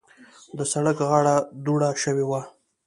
د سړک غاړه دوړه شوې وه.